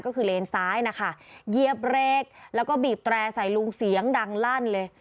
ก็คือเลนซ้ายนะคะเหยียบเบรกแล้วก็บีบแตร่ใส่ลุงเสียงดังลั่นเลย